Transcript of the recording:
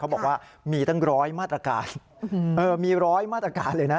บอกว่ามีตั้งร้อยมาตรการมีร้อยมาตรการเลยนะ